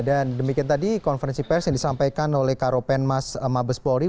dan demikian tadi konferensi pers yang disampaikan oleh karopen mas mabes polri